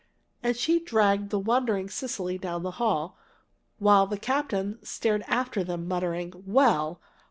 And she dragged the wondering Cecily down the hall, while the captain stared after them muttering, "Well!